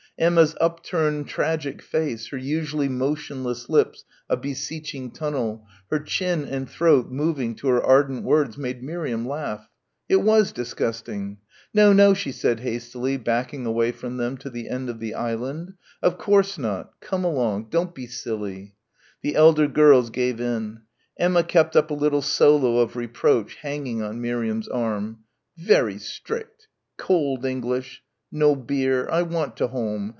Emma's upturned tragic face, her usually motionless lips a beseeching tunnel, her chin and throat moving to her ardent words made Miriam laugh. It was disgusting. "No, no," she said hastily, backing away from them to the end of the island. "Of course not. Come along. Don't be silly." The elder girls gave in. Emma kept up a little solo of reproach hanging on Miriam's arm. "Very strict. Cold English. No bier. I want to home.